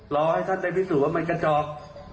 รอให้ท่านได้พิสูจนว่ามันกระจอก